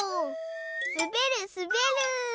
すべるすべる！